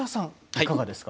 いかがですか。